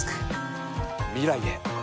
未来へ。